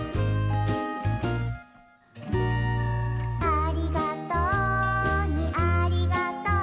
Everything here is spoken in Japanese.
「ありがとうにありがとう」